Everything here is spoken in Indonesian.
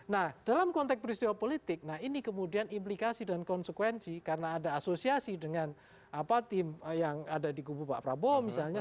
nah dalam konteks peristiwa politik nah ini kemudian implikasi dan konsekuensi karena ada asosiasi dengan tim yang ada di kubu pak prabowo misalnya